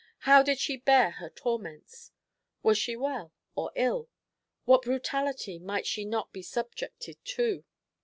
How did she bear her torments? Was she well or ill? What brutality might she not be subjected to?